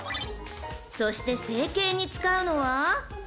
［そして成型に使うのは］